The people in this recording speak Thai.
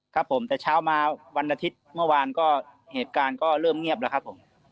ครับผมแต่เช้ามาวันอาทิตย์เมื่อวานก็เหตุการณ์ก็เริ่มเงียบแล้วครับผม